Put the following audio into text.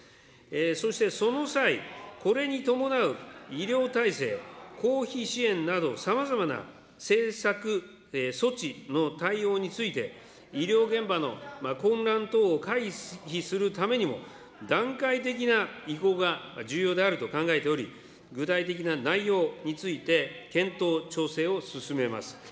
そしてその際、これに伴う医療体制、公費支援などさまざまな政策措置の対応について、医療現場の混乱等を回避するためにも、段階的な移行が重要であると考えており、具体的な内容について、検討、調整を進めます。